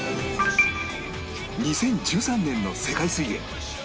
２０１３年の世界水泳